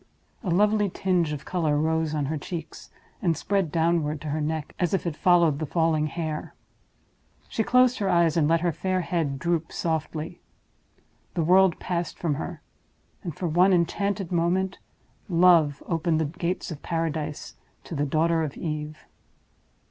A lovely tinge of color rose on her cheeks, and spread downward to her neck, as if it followed the falling hair. She closed her eyes, and let her fair head droop softly. The world passed from her; and, for one enchanted moment, Love opened the gates of Paradise to the daughter of Eve.